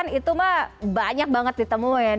itu mah banyak banget ditemuin